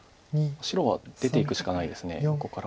白は出ていくしかないです横から。